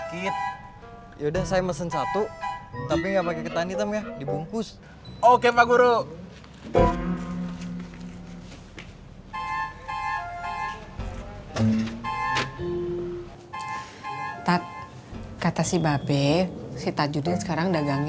kenapa motornya kang